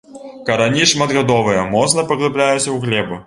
Карані шматгадовыя, моцна паглыбляюцца ў глебу.